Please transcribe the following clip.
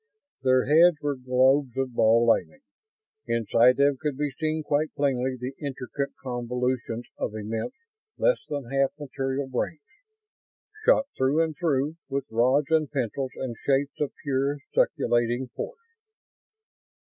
Their heads were globes of ball lightning. Inside them could be seen quite plainly the intricate convolutions of immense, less than half material brains, shot through and through with rods and pencils and shapes of pure, scintillating force.